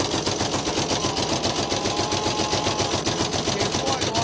手ぇ怖いわ。